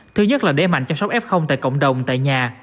thứ nhất là đế mạnh chăm sóc f tại cộng đồng tại nhà